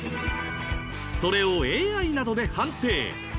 それをＡＩなどで判定。